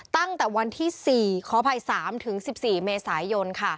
ตั้งแต่วันที่๔ข๓๑๔เมษายน